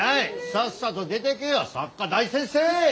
さっさと出てけよ作家大先生！